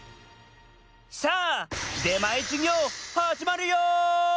さあ出前授業はじまるよ！